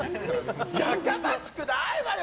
やかましくないわよ！